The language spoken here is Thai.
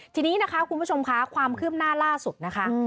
ทีนี้นะคะคุณผู้ชมค่ะความคืบหน้าล่าสุดนะคะ